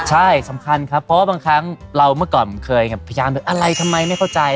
ใช่สำคัญครับเพราะว่าบางครั้งเราเมื่อก่อนเคยพยายามแบบอะไรทำไมไม่เข้าใจ